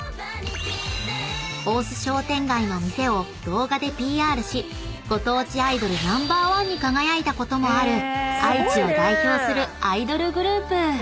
［大須商店街の店を動画でＰＲしご当地アイドルナンバーワンに輝いたこともある愛知を代表するアイドルグループ］